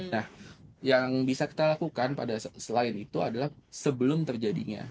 nah yang bisa kita lakukan selain itu adalah sebelum terjadinya